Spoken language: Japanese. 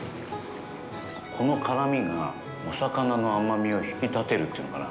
この辛みがお魚の甘みを引き立てるというのかな。